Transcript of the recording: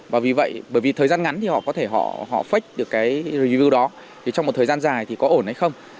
và vì vậy bởi vì thời gian ngắn thì họ có thể họ phách được cái review đó thì trong một thời gian dài thì có ổn hay không